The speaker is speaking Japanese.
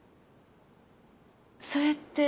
それって。